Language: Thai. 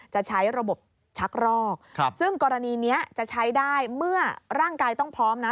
จะใช้ระบบชักรอกซึ่งกรณีนี้จะใช้ได้เมื่อร่างกายต้องพร้อมนะ